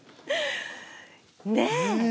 ねえ。